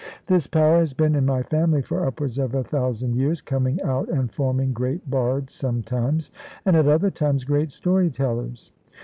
This power has been in my family for upwards of a thousand years, coming out and forming great bards sometimes, and at other times great story tellers.